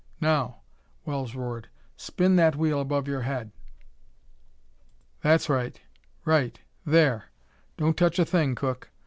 "Now!" Wells roared. "Spin that wheel above your head.... That's right right there! Don't touch a thing, Cook!